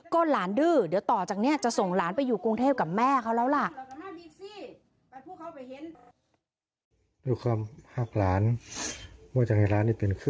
ก็หลานดื้อเดี๋ยวต่อจากนี้จะส่งหลานไปอยู่กรุงเทพกับแม่เขาแล้วล่ะ